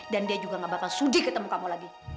dan dia juga gak bakal sudi ketemu kamu lagi